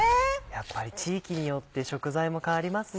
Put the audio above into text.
やっぱり地域によって食材も変わりますね。